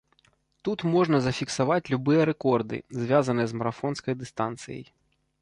Тут можна зафіксаваць любыя рэкорды, звязаныя з марафонскай дыстанцыяй.